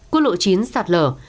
quốc lộ chín sạt lở